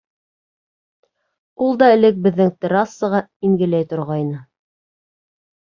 — Ул да элек беҙҙең Террасаға ингеләй торғайны.